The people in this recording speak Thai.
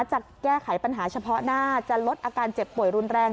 จะแก้ไขปัญหาเฉพาะหน้าจะลดอาการเจ็บป่วยรุนแรง